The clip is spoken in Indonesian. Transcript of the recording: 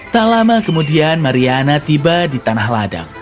tak lama kemudian mariana tiba di tanah ladang